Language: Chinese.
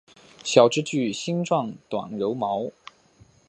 小枝具星状短柔毛。